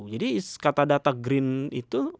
jadi kata data green itu